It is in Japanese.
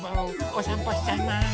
おさんぽしちゃいます。